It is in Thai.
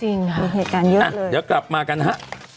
จริงค่ะมีเหตุการณ์เยอะเดี๋ยวกลับมากันฮะ